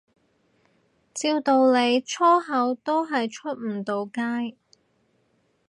照道理粗口都係出唔到街